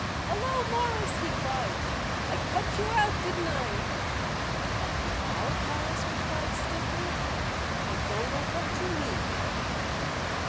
"Hello, Morris," he cried. "I cut you out, didn't I?" "You cut me out?" Morris replied stiffly. "I don't know what you mean."